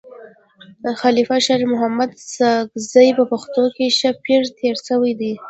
خلیفه شیرمحمد ساکزی په پښتنو کي ښه پير تير سوی دی.